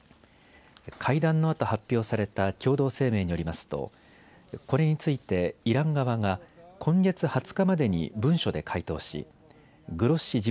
会談のあと発表された共同声明によりますとこれについてイラン側が今月２０日までに文書で回答しグロッシ